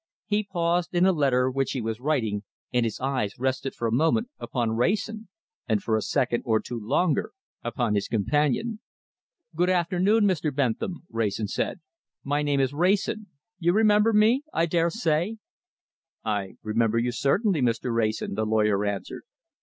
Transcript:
He paused in a letter which he was writing and his eyes rested for a moment upon Wrayson, and for a second or two longer upon his companion. "Good afternoon, Mr. Bentham!" Wrayson said. "My name is Wrayson you remember me, I daresay." "I remember you certainly, Mr. Wrayson," the lawyer answered.